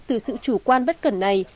từ sự chủ quan bất cẩn này